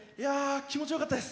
気持ちよかったです。